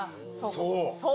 そう。